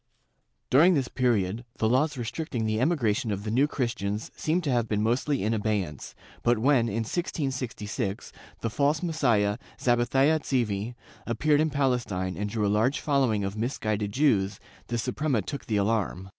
During this period, the laws restricting the emigration of the New Christians seem to have been mostly in abeyance, but when, in 1666, the false Messiah, Zabathia Tzevi, appeared in Palestine and drew a large following of misguided Jews, the Suprema took the alarm.